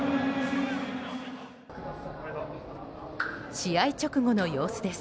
試合直後の様子です。